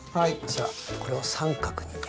じゃあこれを三角に。